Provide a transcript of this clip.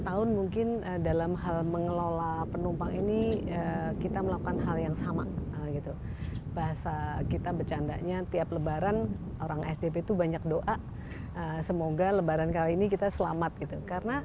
tahun mungkin dalam hal mengelola penumpang ini kita melakukan hal yang sama gitu bahasa kita bercandanya tiap lebaran orang asdp itu banyak doa semoga lebaran kali ini kita selamat gitu